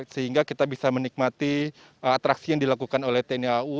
sehingga kita bisa menikmati atraksi yang dilakukan oleh tni au